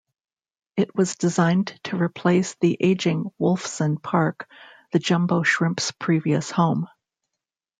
It was designed to replace the aging Wolfson Park, the Jumbo Shrimp's previous home.